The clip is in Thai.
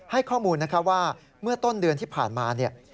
ให้ข้อมูลนะคะว่าเมื่อต้นเดือนที่ผ่านมาเนี่ย